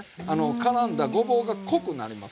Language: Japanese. からんだごぼうが濃くなりますわ。